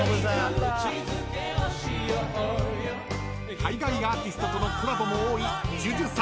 ［海外アーティストとのコラボも多いＪＵＪＵさんでした］